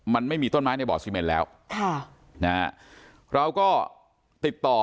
มันไม่มีต้นไม้ในบ่อซีเมนแล้วค่ะนะฮะเราก็ติดต่อ